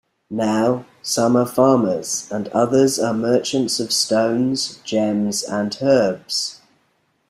Now, some are farmers and others are merchants of stones, gems and herbs.